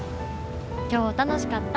今日楽しかった。